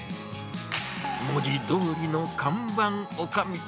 文字どおりの看板おかみ。